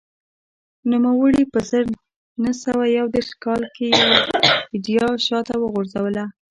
نوموړي په زر نه سوه یو دېرش کال کې یوه ایډیا شا ته وغورځوله